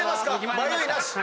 迷いなし？